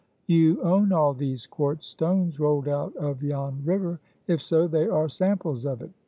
"You own all these quartz stones rolled out of yon river; if so, they are samples of it.